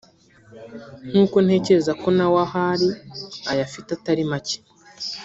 Nkuko ntekereza ko na we aho ari ayafite atari make